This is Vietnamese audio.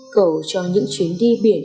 cầu cho những chuyến đi biển